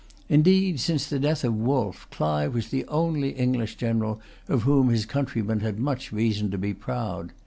Indeed, since the death of Wolfe, Clive was the only English general of whom his countrymen had much reason to be proud.